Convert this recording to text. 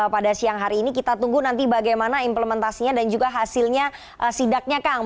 pada siang hari ini kita tunggu nanti bagaimana implementasinya dan juga hasilnya sidaknya kang